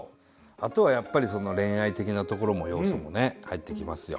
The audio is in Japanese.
あとはやっぱり恋愛的なところの要素もね入ってきますよ。